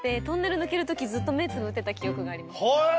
トンネル抜けるときずっと目つぶってた記憶があります。